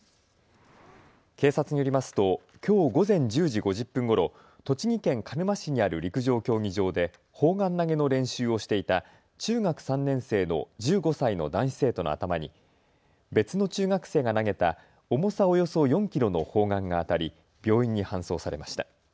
警察によりますときょう午前１０時５０分ごろ栃木県鹿沼市にある陸上競技場で砲丸投げの練習をしていた中学３年生の１５歳の男子生徒の頭に別の中学生が投げた重さおよそ４キロの砲丸が当たり病院に搬送されました。